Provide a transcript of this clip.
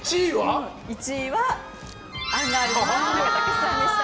１位は、アンガールズの田中卓志さんでした。